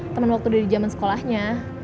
temen waktu dari jaman sekolahnya